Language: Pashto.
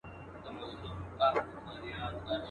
اوس لا ژاړې له آسمانه له قسمته.